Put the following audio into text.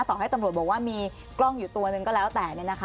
ถ้าบอกว่ามีกล้องอยู่ตัวนึงก็แล้วแต่เนี่ยนะคะ